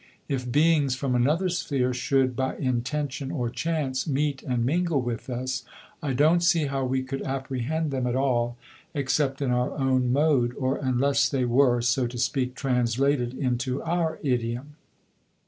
If beings from another sphere should, by intention or chance, meet and mingle with us, I don't see how we could apprehend them at all except in our own mode, or unless they were, so to speak, translated into our idiom.